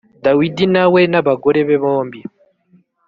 dawidi na we n’abagore be bombi